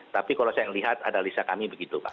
tapi kalau saya lihat ada lisa kami begitu pak